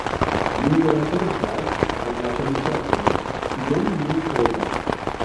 Ni raportas al la komitato, kiom ni povas.